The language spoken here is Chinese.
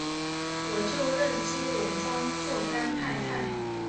我就认金友庄做干太太！